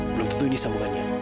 belum tentu ini sambungannya